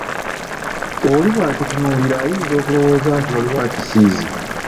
Oli bw'akitunuulira ayinza okulowooza nti, waliwo akisiize.